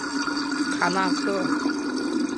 卡那刻。